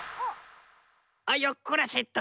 あっよっこらせと。